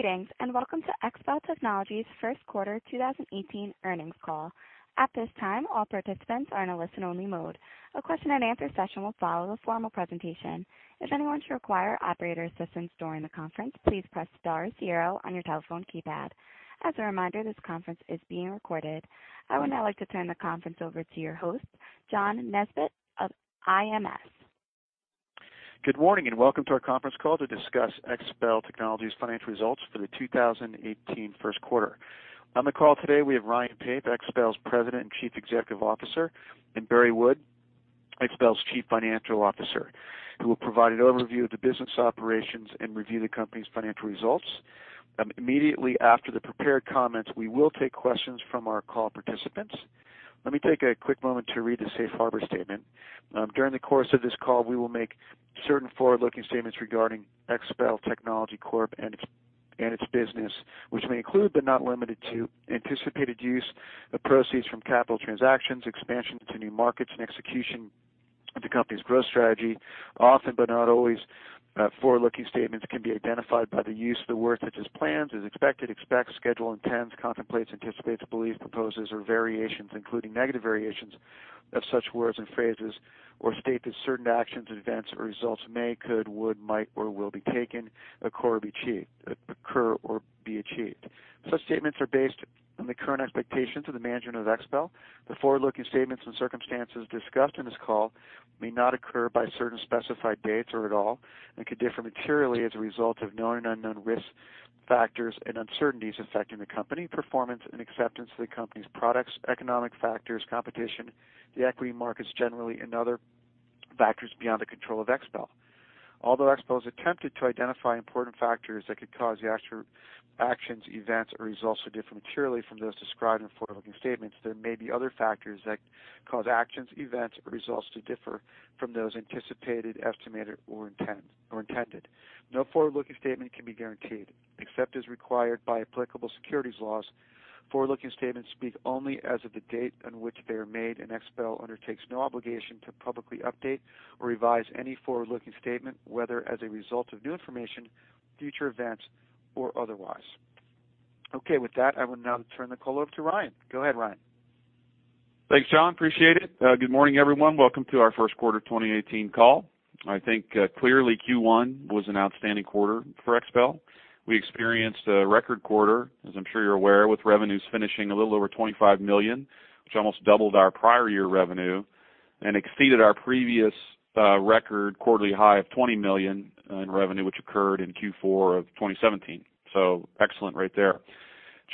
Greetings, and welcome to XPEL Technologies first quarter 2018 earnings call. At this time, all participants are in a listen-only mode. A question-and-answer session will follow the formal presentation. If anyone should require operator assistance during the conference, please press star zero on your telephone keypad. As a reminder, this conference is being recorded. I would now like to turn the conference over to your host, John Nesbett of IMS. Good morning, welcome to our conference call to discuss XPEL Technologies financial results for the 2018 first quarter. On the call today, we have Ryan Pape, XPEL's President and Chief Executive Officer, and Barry Wood, XPEL's Chief Financial Officer, who will provide an overview of the business operations and review the company's financial results. Immediately after the prepared comments, we will take questions from our call participants. Let me take a quick moment to read the safe harbor statement. During the course of this call, we will make certain forward-looking statements regarding XPEL Technologies Corp and its business, which may include, but not limited to anticipated use of proceeds from capital transactions, expansion to new markets, and execution of the company's growth strategy. Often, but not always, forward-looking statements can be identified by the use of the words such as plans, is expected, expect, schedule, intends, contemplates, anticipates, believe, proposes, or variations, including negative variations of such words or phrases or state that certain actions, events or results may, could, would, might or will be taken occur or be achieved. Such statements are based on the current expectations of the management of XPEL. The forward-looking statements and circumstances discussed in this call may not occur by certain specified dates or at all, and could differ materially as a result of known and unknown risk factors and uncertainties affecting the company, performance and acceptance of the company's products, economic factors, competition, the equity markets generally, and other factors beyond the control of XPEL. Although XPEL has attempted to identify important factors that could cause the actual actions, events or results to differ materially from those described in forward-looking statements, there may be other factors that cause actions, events or results to differ from those anticipated, estimated or intended. No forward-looking statement can be guaranteed. Except as required by applicable securities laws, forward-looking statements speak only as of the date on which they are made, and XPEL undertakes no obligation to publicly update or revise any forward-looking statement, whether as a result of new information, future events, or otherwise. Okay. With that, I would now turn the call over to Ryan. Go ahead, Ryan. Thanks, John. Appreciate it. Good morning, everyone. Welcome to our first quarter 2018 call. I think, clearly Q1 was an outstanding quarter for XPEL. We experienced a record quarter, as I'm sure you're aware, with revenues finishing a little over $25 million, which almost doubled our prior year revenue and exceeded our previous record quarterly high of $20 million in revenue, which occurred in Q4 of 2017. Excellent right there.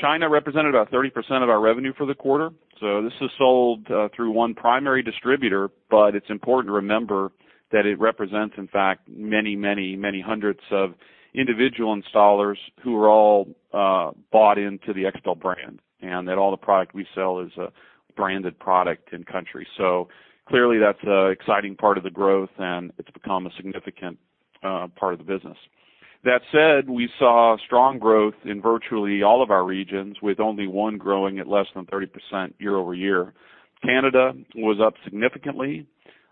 China represented about 30% of our revenue for the quarter. This is sold through one primary distributor, but it's important to remember that it represents, in fact, many hundreds of individual installers who are all bought into the XPEL brand, and that all the product we sell is a branded product in country. Clearly, that's an exciting part of the growth, and it's become a significant part of the business. That said, we saw strong growth in virtually all of our regions, with only one growing at less than 30% year-over-year. Canada was up significantly,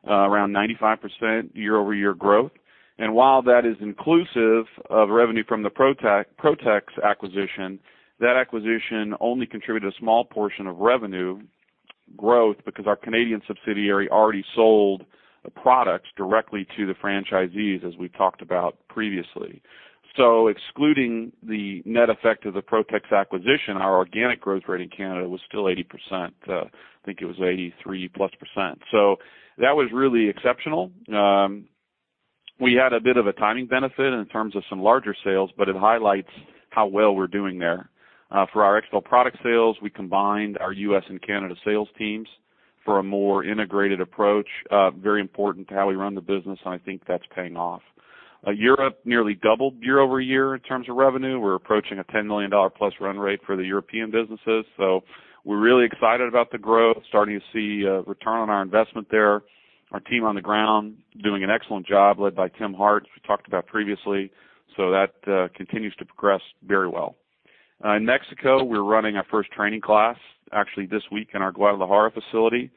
around 95% year-over-year growth. While that is inclusive of revenue from the Protex acquisition, that acquisition only contributed a small portion of revenue growth because our Canadian subsidiary already sold the product directly to the franchisees, as we talked about previously. Excluding the net effect of the Protex acquisition, our organic growth rate in Canada was still 80%. I think it was 83%+. That was really exceptional. We had a bit of a timing benefit in terms of some larger sales, but it highlights how well we're doing there. For our XPEL product sales, we combined our U.S. and Canada sales teams for a more integrated approach, very important to how we run the business, and I think that's paying off. Europe nearly doubled year-over-year in terms of revenue. We're approaching a $10 million plus run rate for the European businesses, we're really excited about the growth, starting to see return on our investment there. Our team on the ground doing an excellent job led by Tim Hartt, who talked about previously. That continues to progress very well. In Mexico, we're running our first training class actually this week in our Guadalajara facility.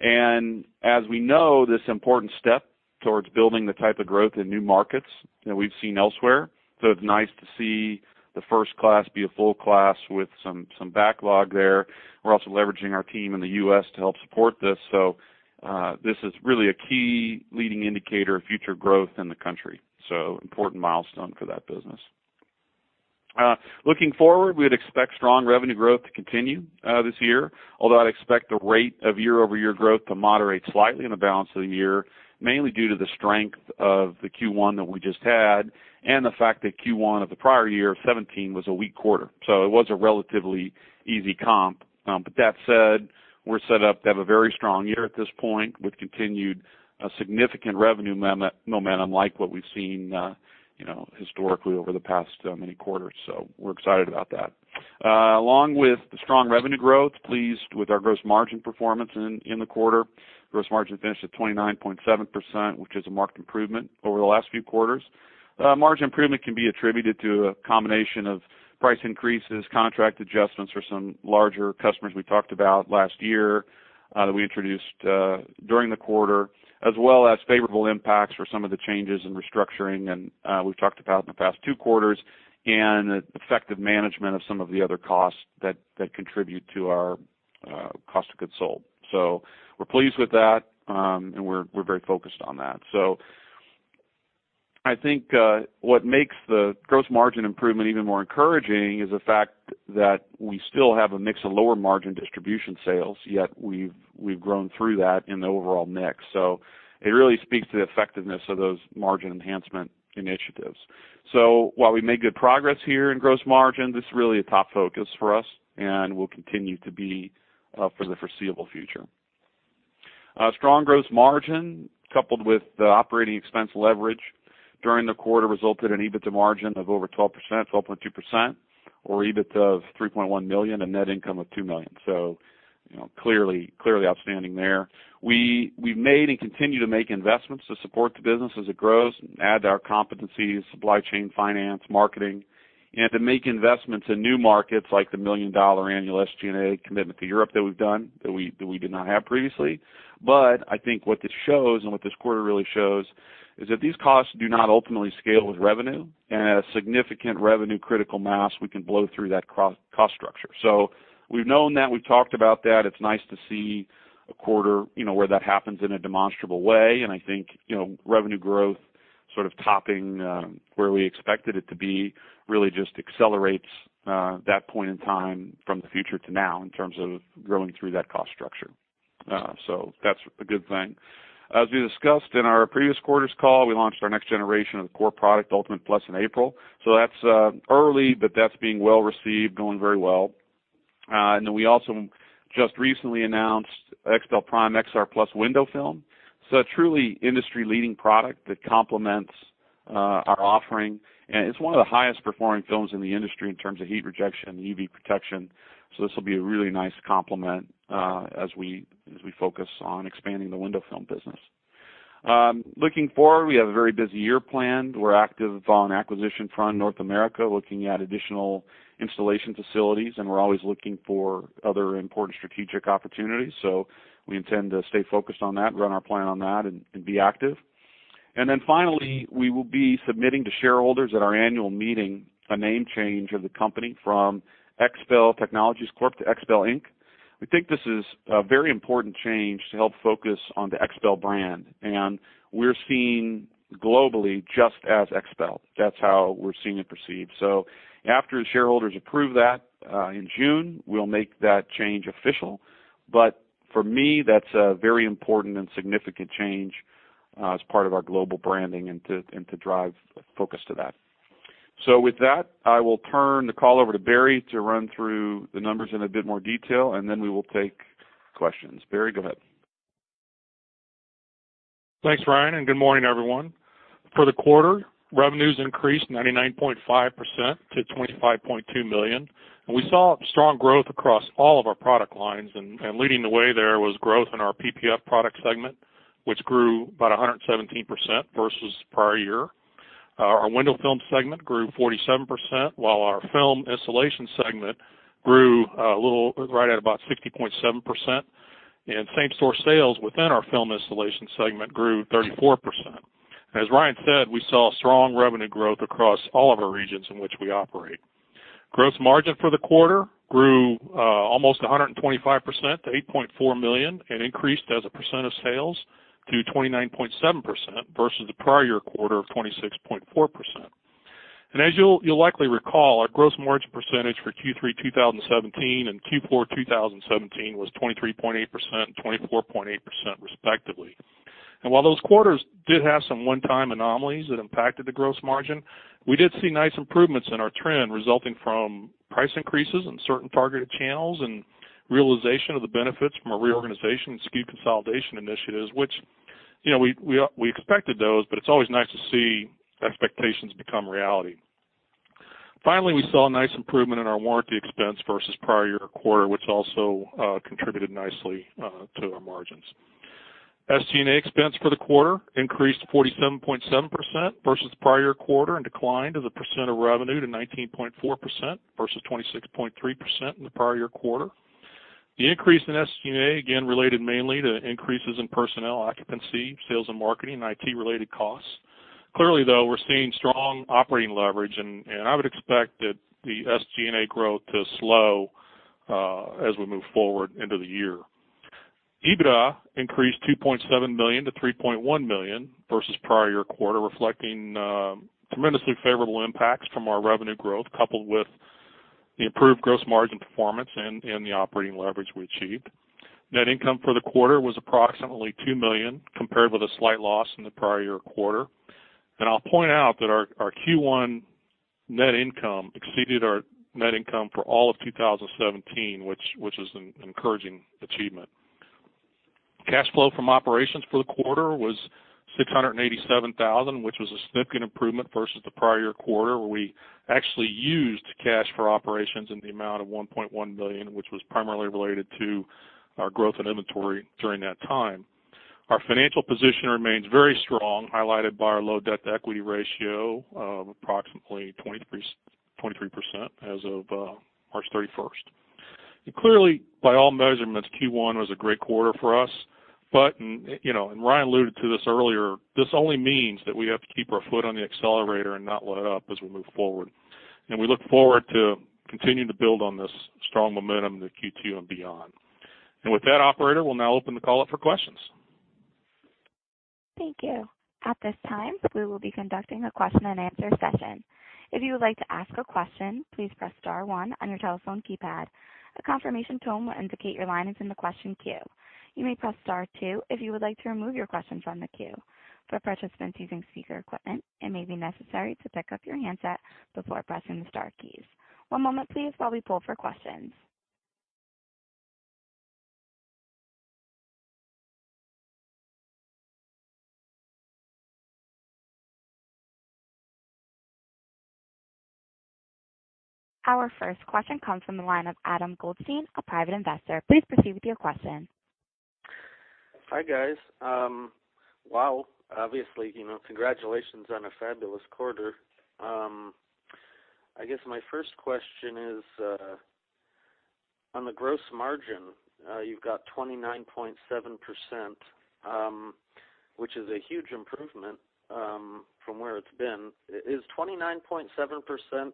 As we know, this important step towards building the type of growth in new markets that we've seen elsewhere, so it's nice to see the first class be a full-class with some backlog there. We're also leveraging our team in the U.S. to help support this. This is really a key leading indicator of future growth in the country, so important milestone for that business. Looking forward, we'd expect strong revenue growth to continue this year, although I'd expect the rate of year-over-year growth to moderate slightly in the balance of the year, mainly due to the strength of the Q1 that we just had and the fact that Q1 of the prior year of 2017 was a weak quarter. It was a relatively easy comp. That said, we're set up to have a very strong year at this point with continued significant revenue momentum like what we've seen, you know, historically over the past many quarters. We're excited about that. Along with the strong revenue growth, pleased with our gross margin performance in the quarter. Gross margin finished at 29.7%, which is a marked improvement over the last few quarters. Margin improvement can be attributed to a combination of price increases, contract adjustments for some larger customers we talked about last year, that we introduced during the quarter, as well as favorable impacts for some of the changes in restructuring and we've talked about in the past two quarters and effective management of some of the other costs that contribute to our cost of goods sold. We're pleased with that, and we're very focused on that. I think what makes the gross margin improvement even more encouraging is the fact that we still have a mix of lower margin distribution sales, yet we've grown through that in the overall mix. It really speaks to the effectiveness of those margin enhancement initiatives. While we make good progress here in gross margin, this is really a top focus for us and will continue to be for the foreseeable future. Strong gross margin coupled with the operating expense leverage during the quarter resulted in EBITDA margin of over 12%, 12.2%, or EBIT of $3.1 million and net income of $2 million. You know, clearly outstanding there. We've made and continue to make investments to support the business as it grows and add to our competencies, supply chain, finance, marketing, and to make investments in new markets like the million-dollar annual SG&A commitment to Europe that we did not have previously. I think what this shows and what this quarter really shows is that these costs do not ultimately scale with revenue, and at a significant revenue critical mass, we can blow through that cost structure. We've known that. We've talked about that. It's nice to see a quarter, you know, where that happens in a demonstrable way. I think, you know, revenue growth sort of topping where we expected it to be really just accelerates that point in time from the future to now in terms of growing through that cost structure. That's a good thing. As we discussed in our previous quarter's call, we launched our next generation of the core product, ULTIMATE PLUS, in April. That's early, but that's being well-received, going very well. We also just recently announced XPEL PRIME XR+ window film, a truly industry-leading product that complements our offering. It's one of the highest performing films in the industry in terms of heat rejection and UV protection. This will be a really nice complement as we focus on expanding the window film business. Looking forward, we have a very busy year planned. We're active on acquisition front in North America, looking at additional installation facilities, and we're always looking for other important strategic opportunities. We intend to stay focused on that, run our plan on that and be active. Finally, we will be submitting to shareholders at our annual meeting a name change of the company from XPEL Technologies Corp to XPEL Inc. We think this is a very important change to help focus on the XPEL brand, and we're seen globally just as XPEL. That's how we're seen and perceived. After the shareholders approve that in June, we'll make that change official. For me, that's a very important and significant change as part of our global branding and to drive focus to that. With that, I will turn the call over to Barry to run through the numbers in a bit more detail, and then we will take questions. Barry, go ahead. Thanks, Ryan. Good morning, everyone. For the quarter, revenues increased 99.5% to $25.2 million. We saw strong growth across all of our product lines. Leading the way there was growth in our PPF product segment, which grew about 117% versus prior year. Our window film segment grew 47%, while our film installation segment grew a little, right at about 60.7%. Same-store sales within our film installation segment grew 34%. As Ryan said, we saw strong revenue growth across all of our regions in which we operate. Gross margin for the quarter grew almost 125% to $8.4 million and increased as a percent of sales to 29.7% versus the prior year quarter of 26.4%. As you'll likely recall, our gross margin percentage for Q3 2017 and Q4 2017 was 23.8% and 24.8% respectively. While those quarters did have some one-time anomalies that impacted the gross margin, we did see nice improvements in our trend resulting from price increases in certain targeted channels and realization of the benefits from our reorganization and SKU consolidation initiatives, which, you know, we expected those, but it's always nice to see expectations become reality. Finally, we saw a nice improvement in our warranty expense versus prior year quarter, which also contributed nicely to our margins. SG&A expense for the quarter increased 47.7% versus prior year quarter and declined as a percent of revenue to 19.4% versus 26.3% in the prior year quarter. The increase in SG&A, again, related mainly to increases in personnel occupancy, sales and marketing, and IT-related costs. Clearly, though, we're seeing strong operating leverage, and I would expect that the SG&A growth to slow as we move forward into the year. EBITDA increased $2.7-3.1 million versus prior year quarter, reflecting tremendously favorable impacts from our revenue growth, coupled with the improved gross margin performance and the operating leverage we achieved. Net income for the quarter was approximately $2 million, compared with a slight loss in the prior year quarter. I'll point out that our Q1 net income exceeded our net income for all of 2017, which is an encouraging achievement. Cash flow from operations for the quarter was $687,000, which was a significant improvement versus the prior year quarter, where we actually used cash for operations in the amount of $1.1 million, which was primarily related to our growth in inventory during that time. Our financial position remains very strong, highlighted by our low debt-to-equity ratio of approximately 23% as of March 31st. Clearly, by all measurements, Q1 was a great quarter for us. You know, Ryan alluded to this earlier, this only means that we have to keep our foot on the accelerator and not let up as we move forward. We look forward to continuing to build on this strong momentum to Q2 and beyond. With that, operator, we'll now open the call up for questions. Thank you. At this time, we will be conducting a question-and-answer session. If you would like to ask a question, please press star one on your telephone keypad. A confirmation tone will indicate your line is in the question queue. You may press star two if you would like to remove your questions from the queue. For participants using speaker equipment, it may be necessary to pick up your handset before pressing the star keys. One moment please while we poll for questions. Our first question comes from the line of Adam Goldstein, a private investor. Please proceed with your question. Hi, guys. Wow. Obviously, you know, congratulations on a fabulous quarter. I guess my first question is on the gross margin, you've got 29.7%, which is a huge improvement from where it's been. Is 29.7%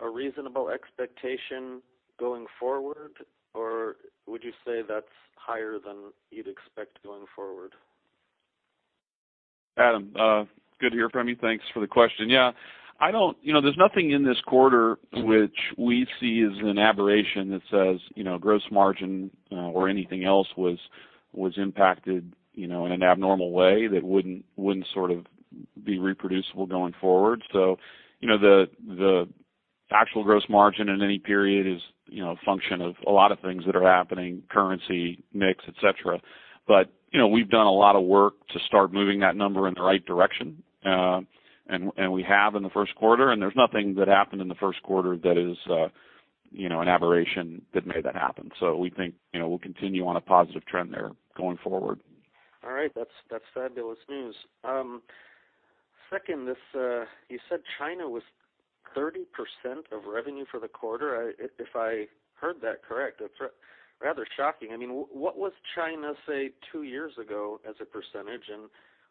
a reasonable expectation going forward, or would you say that's higher than you'd expect going forward? Adam, good to hear from you. Thanks for the question. I don't You know, there's nothing in this quarter which we see as an aberration that says, you know, gross margin, or anything else was impacted, you know, in an abnormal way that wouldn't sort of be reproducible going forward. You know, the actual gross margin in any period is, you know, a function of a lot of things that are happening, currency, mix, et cetera. You know, we've done a lot of work to start moving that number in the right direction. And we have in the first quarter, and there's nothing that happened in the first quarter that is, you know, an aberration that made that happen. We think, you know, we'll continue on a positive trend there going forward. All right. That's fabulous news. Second, this, you said China was 30% of revenue for the quarter. If I heard that correct, that's rather shocking. I mean, what was China, say, two years ago as a percentage, and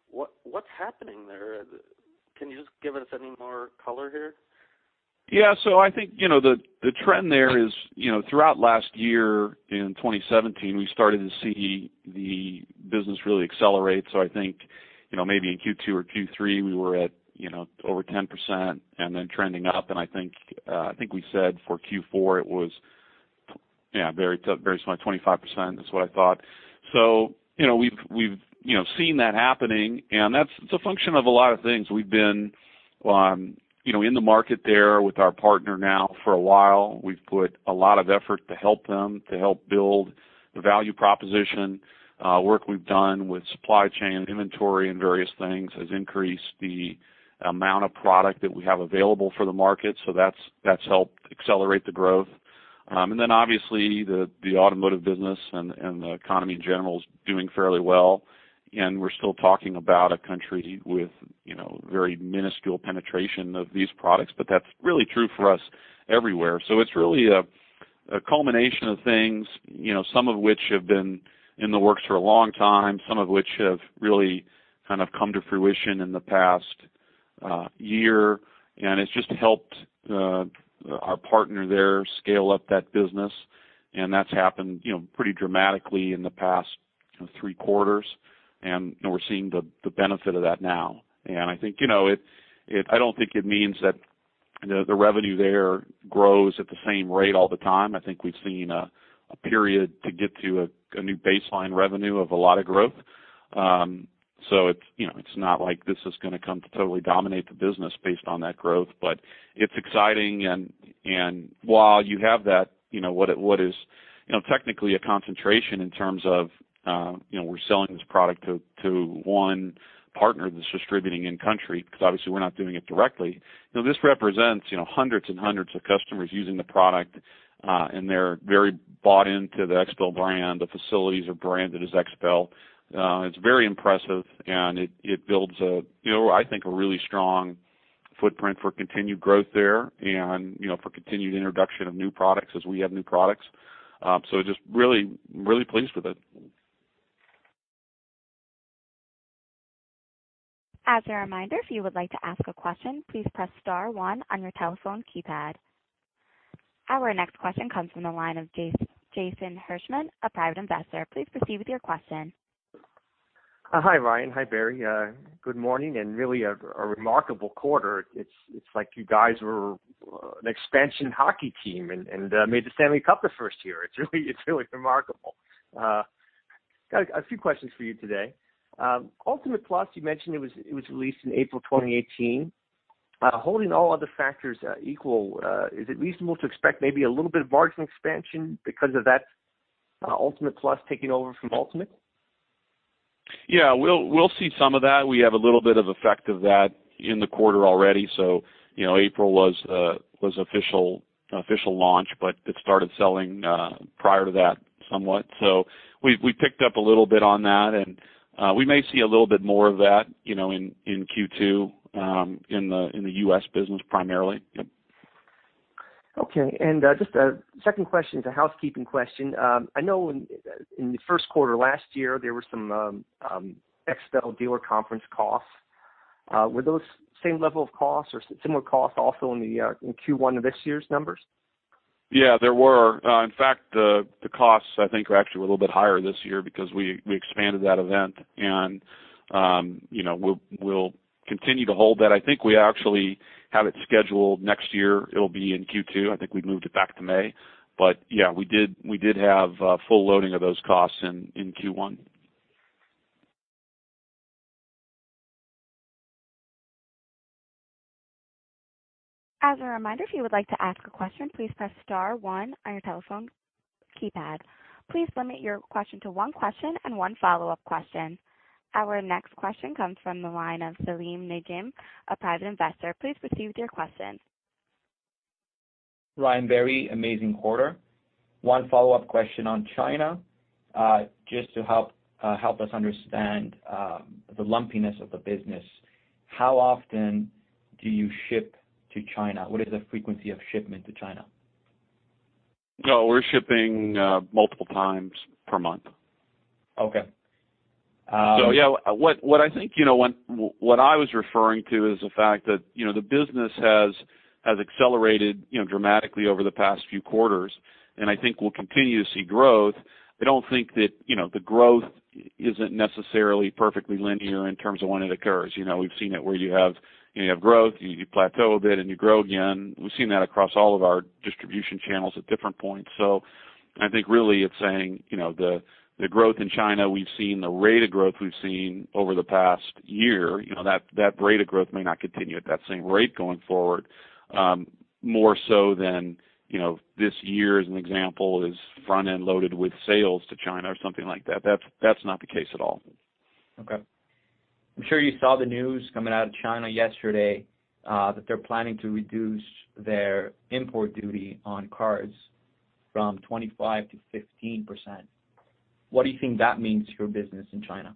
what's happening there? Can you just give us any more color here? Yeah. I think, you know, the trend there is, you know, throughout last year in 2017, we started to see the business really accelerate. I think, you know, maybe in Q2 or Q3, we were at, you know, over 10% and then trending up. I think, I think we said for Q4, it was, yeah, very, very small, 25% is what I thought. You know, we've, you know, seen that happening, and that's a function of a lot of things. We've been, you know, in the market there with our partner now for a while. We've put a lot of effort to help them, to help build the value proposition. Work we've done with supply chain inventory and various things has increased the amount of product that we have available for the market. That's helped accelerate the growth. Obviously, the automotive business and the economy in general is doing fairly well. We're still talking about a country with, you know, very minuscule penetration of these products, but that's really true for us everywhere. It's really a culmination of things, you know, some of which have been in the works for a long time, some of which have really kind of come to fruition in the past year. It's just helped our partner there scale up that business. That's happened, you know, pretty dramatically in the past three quarters, and we're seeing the benefit of that now. I think, you know, I don't think it means that the revenue there grows at the same rate all the time. I think we've seen a period to get to a new baseline revenue of a lot of growth. It's, you know, it's not like this is gonna come to totally dominate the business based on that growth, but it's exciting and while you have that, you know, what is, you know, technically a concentration in terms of, you know, we're selling this product to one partner that's distributing in country, because obviously, we're not doing it directly. You know, this represents, you know, hundreds and hundreds of customers using the product, and they're very bought into the XPEL brand. The facilities are branded as XPEL. It's very impressive, and it builds a you know, I think, a really strong footprint for continued growth there and, you know, for continued introduction of new products as we have new products. Just really pleased with it. As a reminder, if you would like to ask a question, please press star one on your telephone keypad. Our next question comes from the line of Jason Hirschman, a private investor. Please proceed with your question. Hi, Ryan. Hi, Barry. Good morning, a remarkable quarter. It's like you guys were an expansion hockey team and made the Stanley Cup the first year. It's really remarkable. Got a few questions for you today. ULTIMATE PLUS, you mentioned it was released in April 2018. Holding all other factors equal, is it reasonable to expect maybe a little bit of margin expansion because of that, ULTIMATE PLUS taking over from ULTIMATE? Yeah, we'll see some of that. We have a little bit of effect of that in the quarter already. You know, April was official launch, but it started selling prior to that somewhat. We've picked up a little bit on that, and we may see a little bit more of that, you know, in Q2 in the U.S. business primarily. Yep. Okay. Just a second question. It's a housekeeping question. I know in the first quarter last year, there were some dealer conference costs. Were those same level of costs or similar costs also in Q1 of this year's numbers? Yeah, there were. In fact, the costs I think are actually a little bit higher this year because we expanded that event and, you know, we'll continue to hold that. I think we actually have it scheduled next year. It'll be in Q2. I think we moved it back to May. Yeah, we did have full loading of those costs in Q1. As a reminder, if you would like to ask a question, please press star one on your telephone keypad. Please limit your question to one question and one follow-up question. Our next question comes from the line of Salim Nigim, a private investor. Please proceed with your question. Ryan, very amazing quarter. One follow-up question on China. Just to help us understand the lumpiness of the business. How often do you ship to China? What is the frequency of shipment to China? No, we're shipping, multiple times per month. Okay. Yeah. What I think, you know, what I was referring to is the fact that, you know, the business has accelerated, you know, dramatically over the past few quarters, and I think we'll continue to see growth. I don't think that, you know, the growth isn't necessarily perfectly linear in terms of when it occurs. You know, we've seen it where you have growth, you plateau a bit, and you grow again. We've seen that across all of our distribution channels at different points. I think really it's saying, you know, the growth in China, we've seen the rate of growth we've seen over the past year. You know, that rate of growth may not continue at that same rate going forward. More so than, you know, this year as an example, is front-end loaded with sales to China or something like that. That's not the case at all. Okay. I'm sure you saw the news coming out of China yesterday, that they're planning to reduce their import duty on cars from 25% to 15%. What do you think that means for your business in China?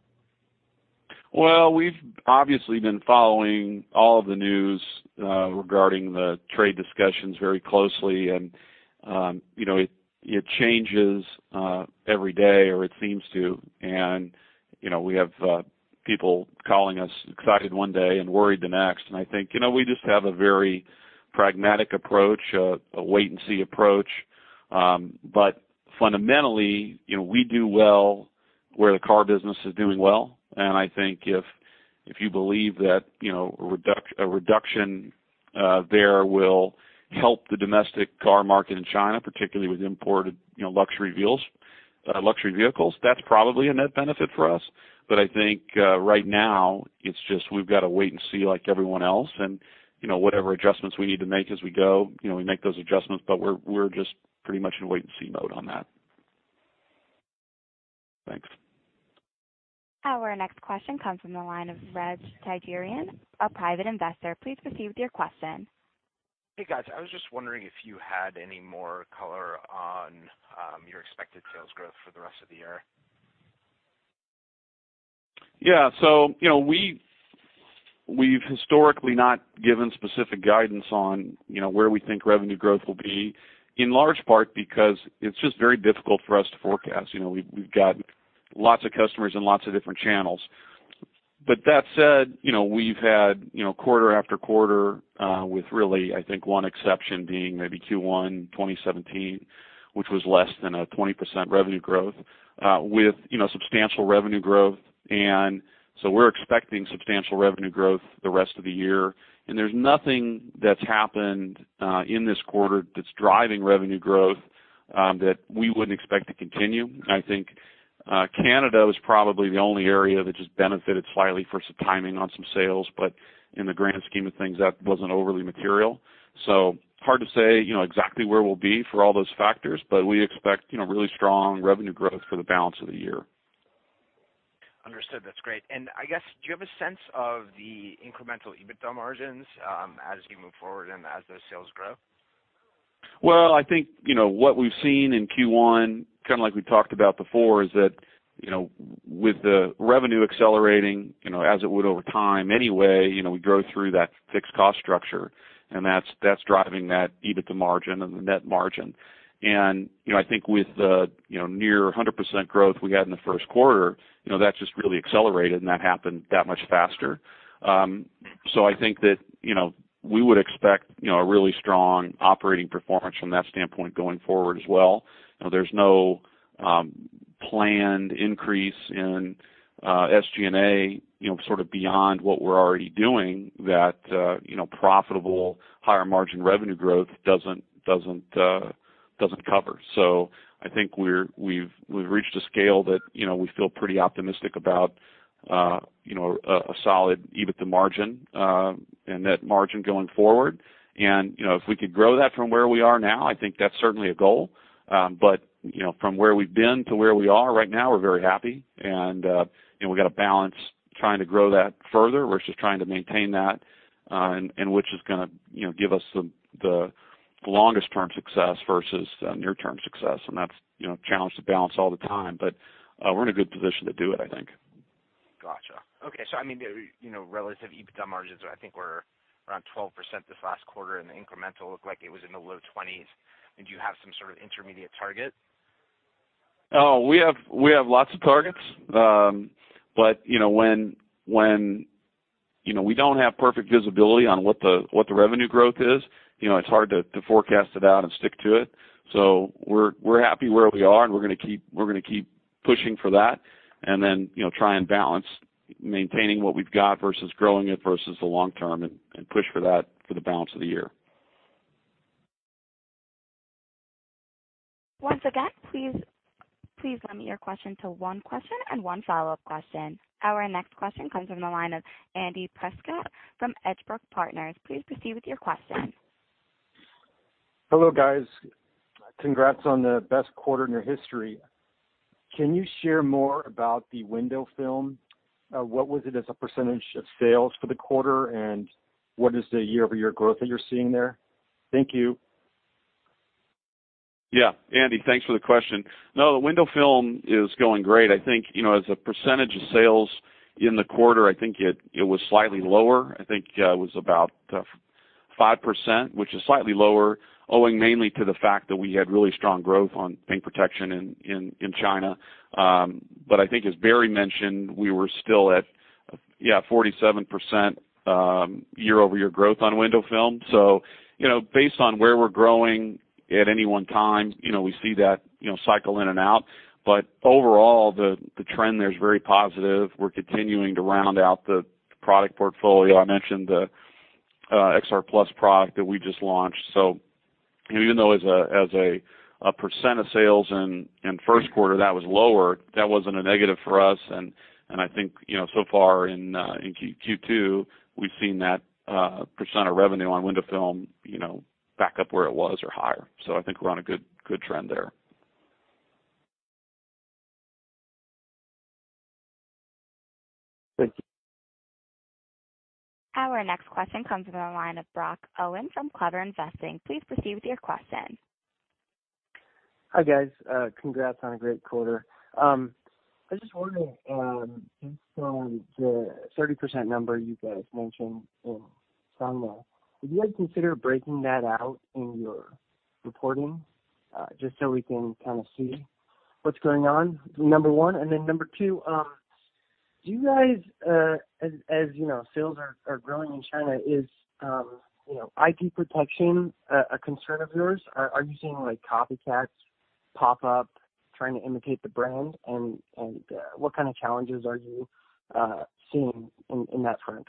Well, we've obviously been following all of the news regarding the trade discussions very closely and, you know, it changes every day or it seems to. You know, we have people calling us excited one day and worried the next. I think, you know, we just have a very pragmatic approach, a wait and see approach. Fundamentally, you know, we do well where the car business is doing well, and I think if you believe that, you know, a reduction there will help the domestic car market in China, particularly with imported, you know, luxury vehicles, that's probably a net benefit for us. I think, right now it's just we've gotta wait and see like everyone else and, you know, whatever adjustments we need to make as we go, you know, we make those adjustments, but we're just pretty much in wait and see mode on that. Thanks. Our next question comes from the line of Reg Tigerian, a Private Investor. Please proceed with your question. Hey, guys. I was just wondering if you had any more color on your expected sales growth for the rest of the year? You know, we've historically not given specific guidance on, you know, where we think revenue growth will be, in large part because it's just very difficult for us to forecast. You know, we've got lots of customers and lots of different channels. That said, you know, we've had, you know, quarter after quarter with really, I think one exception being maybe Q1 2017, which was less than a 20% revenue growth, with, you know, substantial revenue growth. We're expecting substantial revenue growth the rest of the year. There's nothing that's happened in this quarter that's driving revenue growth that we wouldn't expect to continue. I think Canada was probably the only area that just benefited slightly for some timing on some sales, but in the grand scheme of things, that wasn't overly material. Hard to say, you know, exactly where we'll be for all those factors. We expect, you know, really strong revenue growth for the balance of the year. Understood. That's great. I guess, do you have a sense of the incremental EBITDA margins as you move forward and as those sales grow? I think, you know, what we've seen in Q1, kinda like we talked about before, is that, you know, with the revenue accelerating, you know, as it would over time anyway, you know, we grow through that fixed cost structure, and that's driving that EBITDA margin and the net margin. You know, I think with the, you know, near 100% growth we had in the first quarter, you know, that's just really accelerated and that happened that much faster. I think that, you know, we would expect, you know, a really strong operating performance from that standpoint going forward as well. You know, there's no planned increase in SG&A, you know, sort of beyond what we're already doing that, you know, profitable higher margin revenue growth doesn't cover. I think we've reached a scale that, you know, we feel pretty optimistic about, you know, a solid EBITDA margin, and net margin going forward. If we could grow that from where we are now, I think that's certainly a goal. You know, from where we've been to where we are right now, we're very happy. You know, we've got a balancedTrying to grow that further versus trying to maintain that, and which is gonna, you know, give us the longest term success versus near-term success. That's, you know, a challenge to balance all the time. We're in a good position to do it, I think. Gotcha. Okay. I mean, the, you know, relative EBITDA margins I think were around 12% this last quarter, and the incremental looked like it was in the low 20%s. Do you have some sort of intermediate target? We have lots of targets. You know, when, you know, we don't have perfect visibility on what the revenue growth is, you know, it's hard to forecast it out and stick to it. We're happy where we are, and we're gonna keep pushing for that. You know, try and balance maintaining what we've got versus growing it versus the long term and push for that for the balance of the year. Once again, please limit your question to one question and one follow-up question. Our next question comes from the line of Andy Preikschat from Edgebrook Partners. Please proceed with your question. Hello, guys. Congrats on the best quarter in your history. Can you share more about the window film? What was it as a percentage of sales for the quarter, and what is the year-over-year growth that you're seeing there? Thank you. Yeah. Andy, thanks for the question. No, the window film is going great. I think, you know, as a percentage of sales in the quarter, I think it was slightly lower. I think it was about 5%, which is slightly lower, owing mainly to the fact that we had really strong growth on paint protection in China. I think as Barry mentioned, we were still at, yeah, 47% year-over-year growth on window film. You know, based on where we're growing at any one time, you know, we see that, you know, cycle in and out. Overall, the trend there is very positive. We're continuing to round out the product portfolio. I mentioned the PRIME XR+ product that we just launched. Even though as a percentage of sales in first quarter that was lower, that wasn't a negative for us. I think, you know, so far in Q2, we've seen that percentage of revenue on window film, you know, back up where it was or higher. I think we're on a good trend there. Thank you. Our next question comes from the line of Brock Erwin from CleverInvesting. Please proceed with your question. Hi, guys. Congrats on a great quarter. I just wondering, based on the 30% number you guys mentioned in China, would you guys consider breaking that out in your reporting, just so we can kind of see what's going on, number one? Number two, do you guys, as you know, sales are growing in China, is, you know, IP protection a concern of yours? Are you seeing like copycats pop up trying to imitate the brand? What kind of challenges are you seeing in that front?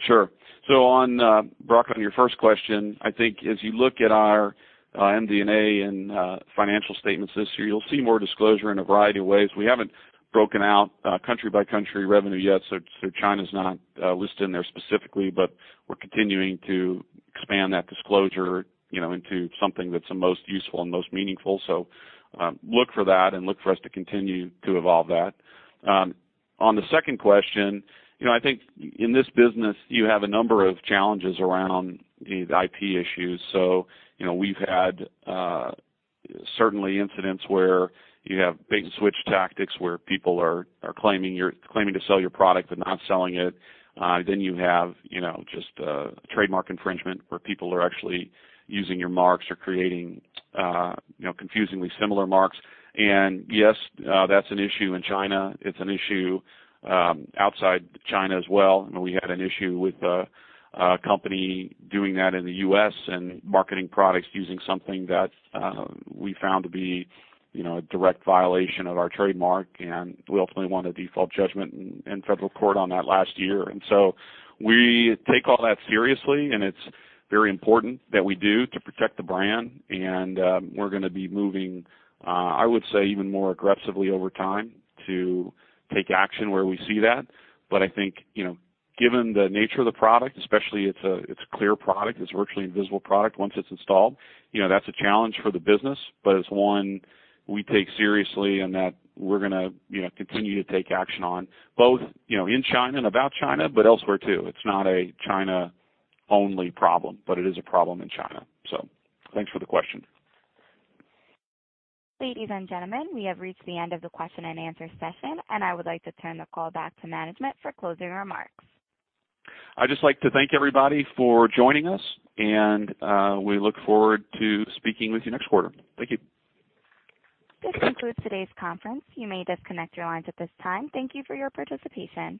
Sure. On, Brock, on your first question, I think as you look at our MD&A and financial statements this year, you'll see more disclosure in a variety of ways. We haven't broken out country by country revenue yet, so China's not listed in there specifically, but we're continuing to expand that disclosure, you know, into something that's the most useful and most meaningful. Look for that and look for us to continue to evolve that. On the second question, you know, I think in this business you have a number of challenges around the IP issues. You know, we've had certainly incidents where you have bait and switch tactics where people are claiming to sell your product but not selling it. Then you have, you know, just, trademark infringement where people are actually using your marks or creating, you know, confusingly similar marks. Yes, that's an issue in China. It's an issue outside China as well. You know, we had an issue with a company doing that in the U.S. and marketing products using something that we found to be, you know, a direct violation of our trademark, and we ultimately won a default judgment in federal court on that last year. So we take all that seriously, and it's very important that we do to protect the brand. We're gonna be moving, I would say, even more aggressively over time to take action where we see that. I think, you know, given the nature of the product especially, it's a clear product, it's a virtually invisible product once it's installed, you know, that's a challenge for the business, but it's one we take seriously and that we're gonna, you know, continue to take action on both, you know, in China and about China, but elsewhere too. It's not a China only problem, but it is a problem in China. Thanks for the question. Ladies and gentlemen, we have reached the end of the question-and-answer session, and I would like to turn the call back to management for closing remarks. I'd just like to thank everybody for joining us, and we look forward to speaking with you next quarter. Thank you. This concludes today's conference. You may disconnect your lines at this time. Thank you for your participation.